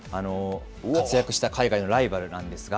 活躍した海外のライバルなんですが。